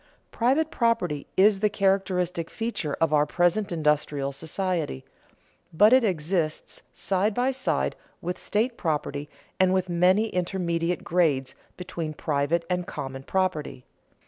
Private property is the characteristic feature of our present industrial society, but it exists side by side with state property and with many intermediate grades between private and common property.